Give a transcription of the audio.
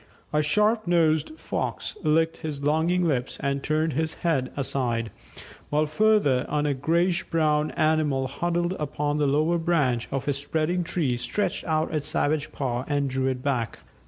A sharp nosed Fox licked his longing lips and turned his head aside, while further on a greyish brown animal huddled upon the lower branch of a spreading tree stretched out a savage paw, and drew it back.